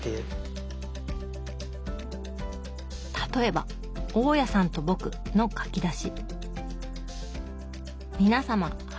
例えば「大家さんと僕」の書き出し。